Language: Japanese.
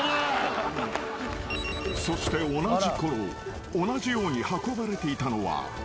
［そして同じころ同じように運ばれていたのは］